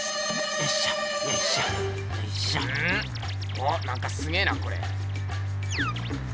おっなんかすげえなこれ。